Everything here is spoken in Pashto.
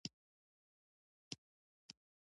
هغه څه چې نه پوهیږو په مهربانۍ را زده کوي.